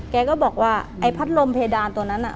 แกก็บอกว่าไอ้พัดลมเพดานตัวนั้นน่ะ